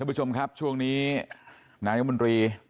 ทุกผู้ชมครับช่วงนี้นางเยี่ยมบนรี